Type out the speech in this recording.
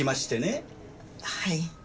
はい。